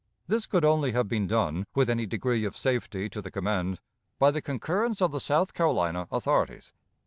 This could only have been done, with any degree of safety to the command, by the concurrence of the South Carolina authorities.